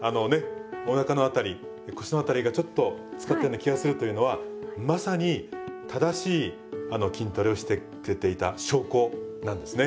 おなかの辺り腰の辺りがちょっと使ったような気がするというのはまさに正しい筋トレをしてくれていた証拠なんですね。